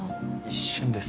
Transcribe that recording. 一瞬です